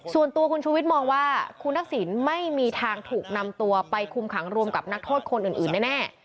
ส่วนตัวคุณชูวิทย์มองว่าคุณทักษิณไม่มีทางถูกนำตัวไปคุมขังรวมกับนักโทษคนอื่นแน่